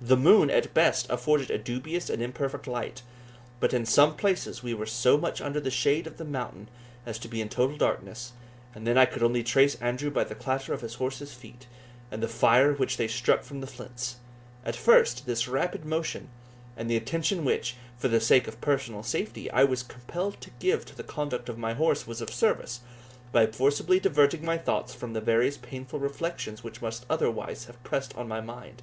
The moon, at best, afforded a dubious and imperfect light; but in some places we were so much under the shade of the mountain as to be in total darkness, and then I could only trace Andrew by the clatter of his horse's feet, and the fire which they struck from the flints. At first, this rapid motion, and the attention which, for the sake of personal safety, I was compelled to give to the conduct of my horse, was of service, by forcibly diverting my thoughts from the various painful reflections which must otherwise have pressed on my mind.